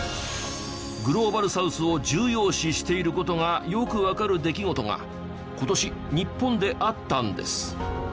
グローバルサウスを重要視している事がよくわかる出来事が今年日本であったんです。